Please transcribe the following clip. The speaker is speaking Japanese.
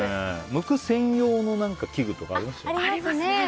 剥く専用の器具とかありますよね。